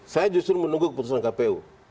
saya justru menunggu keputusan kpu